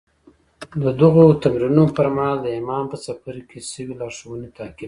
د دغو تمرينونو پر مهال د ايمان په څپرکي کې شوې لارښوونې تعقيب کړئ.